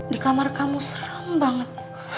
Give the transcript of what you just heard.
di kamar kamu serem banget